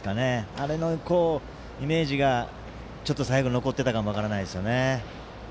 あれのイメージがちょっと最後、残ってたかも分からないですよね。